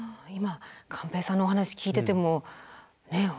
今寛平さんのお話聞いててもね